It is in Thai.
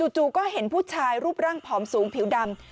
จู่ก็เห็นผู้ชายรูปร่างผอมสูงผิวดำ